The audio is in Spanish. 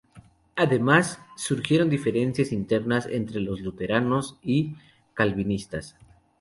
Además, surgieron diferencias internas entre luteranos y calvinistas.